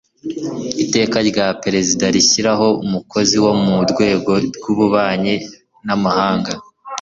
iteka rya perezida rishyiraho umukozi wo mu rwego rw ububanyi n amahanga